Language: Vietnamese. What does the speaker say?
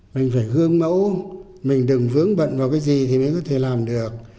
mình phải gương mẫu mình đừng vướng bận vào cái gì thì mới có thể làm được